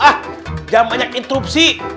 ah jam banyak interupsi